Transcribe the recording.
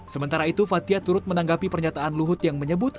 sementara itu fathia turut menanggapi pernyataan luhut yang menyebut